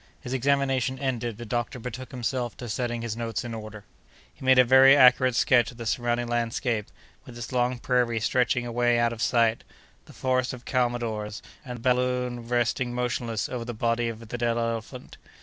His examination ended, the doctor betook himself to setting his notes in order. He made a very accurate sketch of the surrounding landscape, with its long prairie stretching away out of sight, the forest of calmadores, and the balloon resting motionless over the body of the dead elephant.